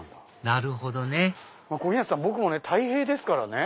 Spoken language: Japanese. なるほどね小日向さん僕たい平ですからね。